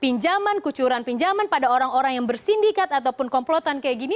pinjaman kucuran pinjaman pada orang orang yang bersindikat ataupun komplotan kayak gini